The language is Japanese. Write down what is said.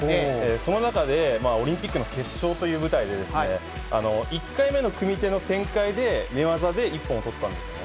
その中でオリンピックの決勝という舞台で、１回目の組み手の展開で、寝技で一本を取ったんですね。